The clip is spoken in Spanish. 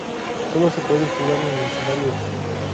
Solo se puede jugar en el escenario extra.